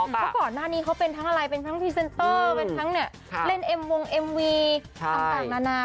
เพราะก่อนหน้านี้เขาเป็นทั้งอะไรเป็นทั้งพรีเซนเตอร์เป็นทั้งเล่นเอ็มวงเอ็มวีต่างนานา